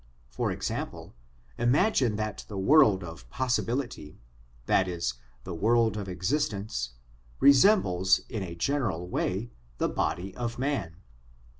For example, imagine that the world of possibility that is, the world of existence resembles in a general way the body of man.